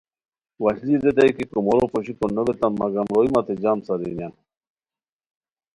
وشلی ریتائے کی کومورو پوشیکو نو بیتام مگم روئے متے جم سارینیان